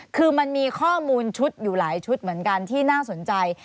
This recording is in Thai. คือมันมีข้อมูลชุดอยู่หลายชุดเหมือนกันที่น่าสนใจ